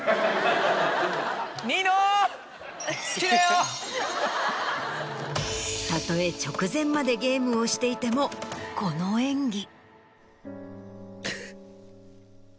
たとえ直前までゲームをしていてもこの演技。